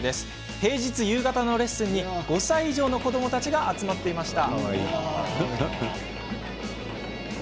平日夕方のレッスンに５歳以上の子どもたちが集まっていました。